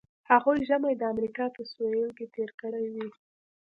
هغوی ژمی د امریکا په سویل کې تیر کړی وي